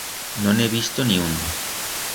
No n'he visto ni un.